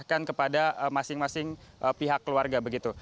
diberikan kepada masing masing pihak keluarga begitu